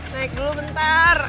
naik dulu bentar